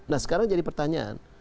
nah sekarang jadi pertanyaan